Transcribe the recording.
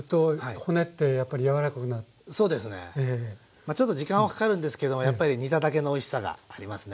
まあちょっと時間はかかるんですけどもやっぱり煮ただけのおいしさがありますね。